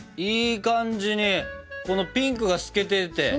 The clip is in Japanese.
いい感じにこのピンクが透けてて。